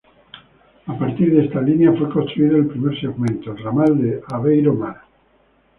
A partir de esta línea fue construido el primer segmento, el Ramal de Aveiro-Mar.